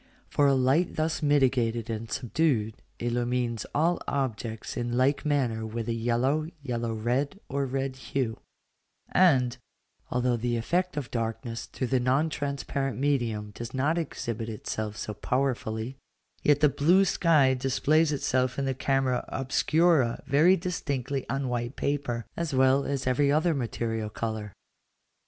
For a light thus mitigated and subdued illumines all objects in like manner with a yellow, yellow red, or red hue; and, although the effect of darkness through the non transparent medium does not exhibit itself so powerfully, yet the blue sky displays itself in the camera obscura very distinctly on white paper, as well as every other material colour.